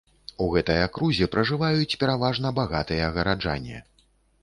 У гэтай акрузе пражываюць пераважна багатыя гараджане.